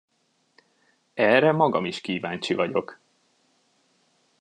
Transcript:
Erre magam is kíváncsi vagyok!